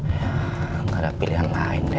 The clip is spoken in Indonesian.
ya gak ada pilihan lain deh